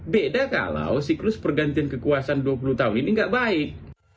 beda kalau siklus pergantian kekuasaan dua puluh tahun ini tidak baik